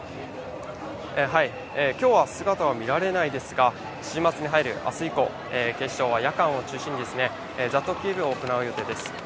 きょうは姿は見られないですが、週末に入るあす以降、警視庁は夜間を中心に、雑踏警備を行う予定です。